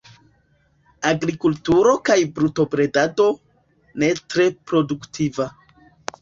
Agrikulturo kaj brutobredado, ne tre produktiva.